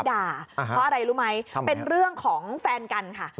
ด่าเพราะอะไรรู้ไหมเป็นเรื่องของแฟนกันค่ะ